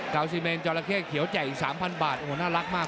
ซีเมนจอราเข้เขียวแจกอีก๓๐๐บาทโอ้โหน่ารักมาก